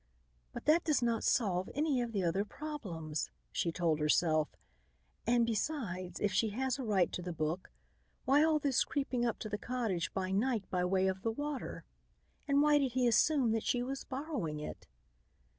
"But that does not solve any of the other problems," she told herself, "and, besides, if she has a right to the book, why all this creeping up to the cottage by night by way of the water. And why did he assume that she was borrowing it?"